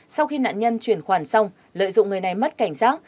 sau khi nạn nhân chuyển khoản xong lợi dụng người này mất cảnh giác